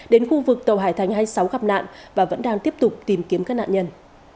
đến khu vực tàu hải thành hai mươi sáu gặp nạn và vẫn đang tiếp tục tìm kiếm các nạn nhân